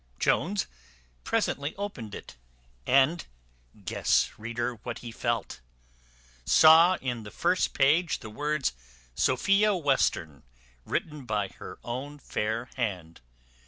Jones presently opened it, and (guess, reader, what he felt) saw in the first page the words Sophia Western, written by her own fair hand.